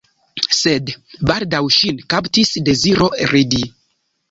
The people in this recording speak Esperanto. Sed baldaŭ ŝin kaptis deziro ridi.